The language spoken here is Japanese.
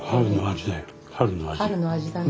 春の味だよ